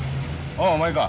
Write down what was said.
ああお前か。